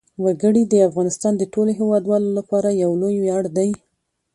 وګړي د افغانستان د ټولو هیوادوالو لپاره یو لوی ویاړ دی.